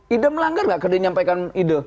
ide melanggar gak karena dia menyampaikan ide